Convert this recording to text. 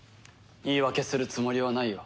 言い訳するつもりはないよ。